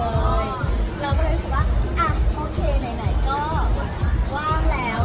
เราก็เลยรู้สึกว่าอ่ะโอเคไหนก็ว่างแล้ว